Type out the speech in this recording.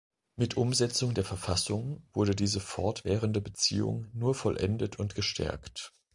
Mit Umsetzung der Verfassung wurde diese fortwährende Beziehung nur vollendet und gestärkt.